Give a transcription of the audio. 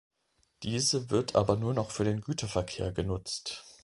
Diese wird aber nur noch für den Güterverkehr genutzt.